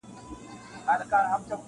• ډلي به راسي د توتکیو -